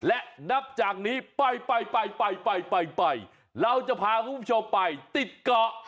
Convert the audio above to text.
และนับจากนี้ไปไปไปเราจะพาคุณผู้ชมไปติดเกาะ